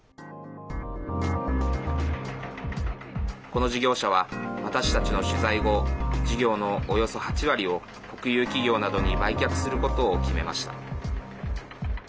この事業者は私たちの取材後事業のおよそ８割を国有企業などに売却することを決めました。